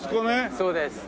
そうです。